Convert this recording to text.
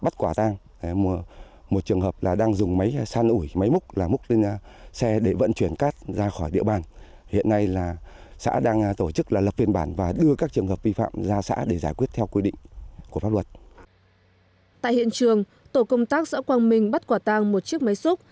tại hiện trường tổ công tác xã quang minh bắt quả tang một chiếc máy xúc